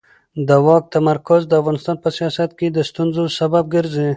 د واک تمرکز د افغانستان په سیاست کې د ستونزو سبب ګرځي